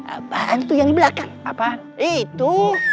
apaan itu yang belakang apa itu